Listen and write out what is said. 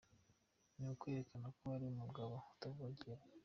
Ni ukwerekana ko uri umugabo, utavogerwa.